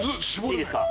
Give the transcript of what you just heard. いいですか？